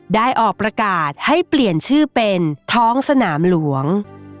ได้ออกประกาศให้เปลี่ยนชื่อเป็นท้องสนามหลวง